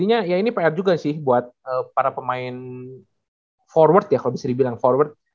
artinya ya ini pr juga sih buat para pemain forward ya kalau bisa dibilang forward